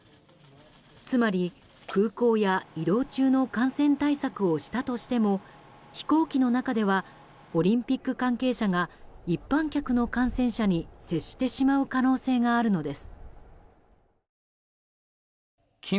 つまり、空港や移動中の感染対策をしたとしても飛行機の中ではオリンピック関係者が一般客の感染者に接してしまう可能性があるのです。